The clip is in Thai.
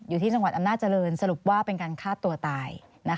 อยู่ที่จังหวัดอำนาจเจริญสรุปว่าเป็นการฆ่าตัวตาย